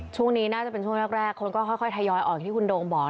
ช่วงนี้น่าจะเป็นช่วงแรกคนก็ค่อยทายอยออกที่คุณโดงบอกนะครับ